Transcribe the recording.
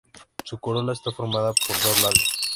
Su corola está formada por dos labios.